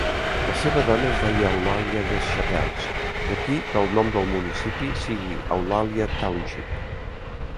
La seva dona es deia Eulalia Deschapelles, d'aquí que el nom del municipi sigui Eulalia Township.